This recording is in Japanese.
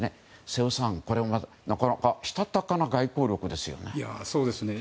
瀬尾さん、なかなかしたたかな外交力ですよね。